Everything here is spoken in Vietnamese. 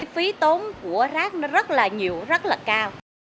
phí tốn của rác rất nhiều rất cao